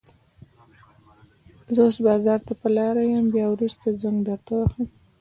زه اوس بازار ته په لاره يم، بيا وروسته زنګ درته وهم.